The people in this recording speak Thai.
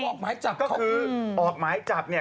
ออกไม้จับก็คือออกไม้จับเนี่ย